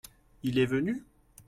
Il est venu ?